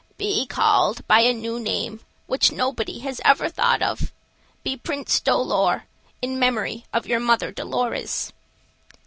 "Be called by a new name which nobody has ever thought of. Be Prince Dolor, in memory of your mother Dolorez."